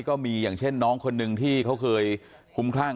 ก็มีอย่างเช่นน้องคนหนึ่งที่เขาเคยคุ้มคลั่ง